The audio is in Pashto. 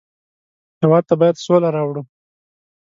هېواد ته باید سوله راوړو